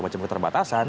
bukan cuma keterbatasan